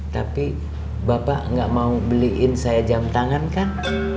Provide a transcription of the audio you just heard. tapi bapak nggak mau beliin saya jam tangan kan